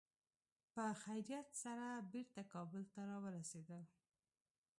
په خیریت سره بېرته کابل ته را ورسېدل.